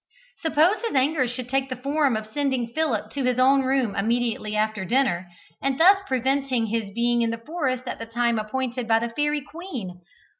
Suppose his anger should take the form of sending Philip to his own room immediately after dinner, and thus preventing his being in the forest at the time appointed by the fairy queen!